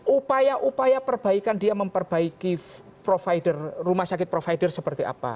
upaya upaya perbaikan dia memperbaiki provider rumah sakit provider seperti apa